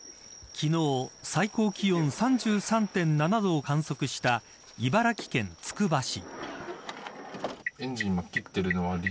昨日、最高気温３３．７度を観測した茨城県つくば市。